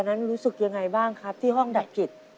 ดังนั้นรู้สึกยังไงบ้างครับที่ห้องดัดกิจ